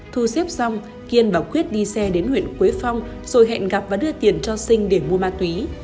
thu xếp xong kiên bảo quyết đi xe đến huyện quế phong rồi hẹn gặp và đưa tiền cho sinh để mua ma túy